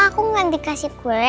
aku nggak dikasih kue